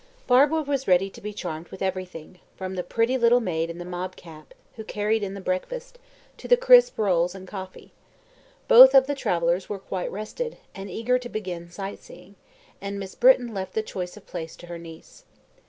Barbara was ready to be charmed with everything, from the pretty little maid in the mob cap, who carried in the breakfast, to the crisp rolls and coffee. Both of the travellers were quite rested, and eager to begin sight seeing, and Miss Britton left the choice of place to her niece.